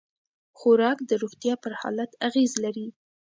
خوراک د روغتیا پر حالت اغېز لري.